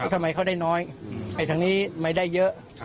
ทำไมเขาได้น้อยไอ้ทางนี้ไม่ได้เยอะ